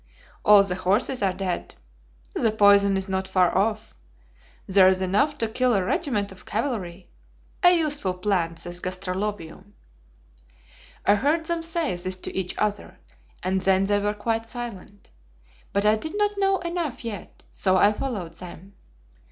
'All the horses are dead.' 'The poison is not far off.' 'There is enough to kill a regiment of cavalry.' 'A useful plant this gastrolobium.' "I heard them say this to each other, and then they were quite silent; but I did not know enough yet, so I followed them.